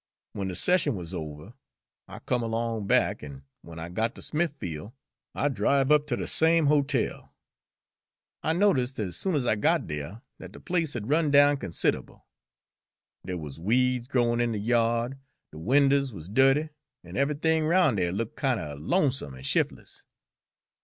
W'en de session wuz over, I come along back, an' w'en I got ter Smithfiel', I driv' up ter de same hotel. I noticed, as soon as I got dere, dat de place had run down consid'able dere wuz weeds growin' in de yard, de winders wuz dirty, an' ev'ything roun' dere looked kinder lonesome an' shif'less.